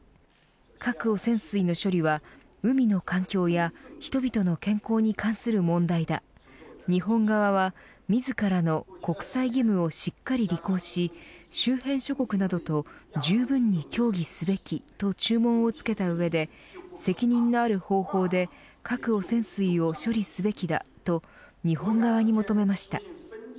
核汚染水の処理は海の環境や人々の健康に関する問題だ日本側は、自らの国際義務をしっかり履行し周辺諸国などとじゅうぶんに協議すべきと注文をつけた上で責任のある方法で核汚染水を処理すべきだと日本側に求めました。